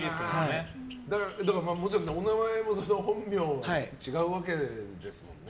もちろんお名前も本名違うわけですもんね。